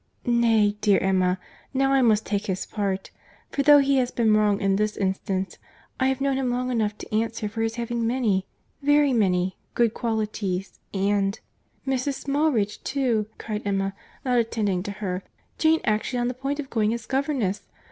"Nay, dear Emma, now I must take his part; for though he has been wrong in this instance, I have known him long enough to answer for his having many, very many, good qualities; and—" "Good God!" cried Emma, not attending to her.—"Mrs. Smallridge, too! Jane actually on the point of going as governess!